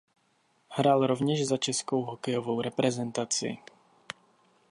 Hrál rovněž za českou hokejovou reprezentaci.